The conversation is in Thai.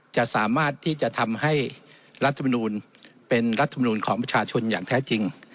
จะสามารถที่จะทำให้รัฐมนูลเป็นรัฐมนูลของประชาชนอย่างแท้จริง